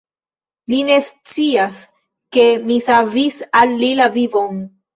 Li ne scias, ke mi savis al li la vivon!